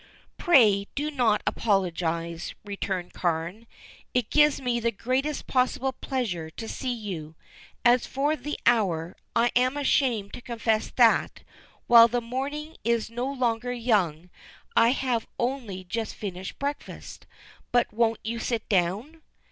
"Pray do not apologize," returned Carne. "It gives me the greatest possible pleasure to see you. As for the hour, I am ashamed to confess that, while the morning is no longer young, I have only just finished breakfast. But won't you sit down?"